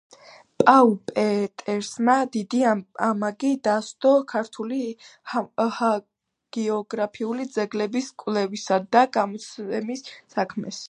პაულ პეეტერსმა დიდი ამაგი დასდო ქართული ჰაგიოგრაფიული ძეგლების კვლევისა და გამოცემის საქმეს.